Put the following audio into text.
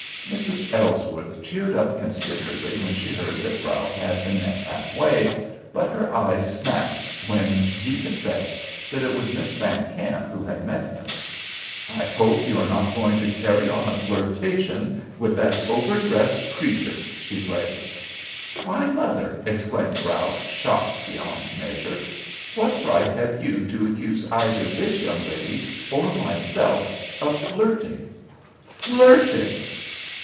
Mrs. Ellsworth cheered up considerably when she heard that Ralph had been met half way, but her eyes snapped when he confessed that it was Miss Van Kamp who had met him. "I hope you are not going to carry on a flirtation with that overdressed creature," she blazed. "Why mother," exclaimed Ralph, shocked beyond measure. "What right have you to accuse either this young lady or myself of flirting? Flirting!"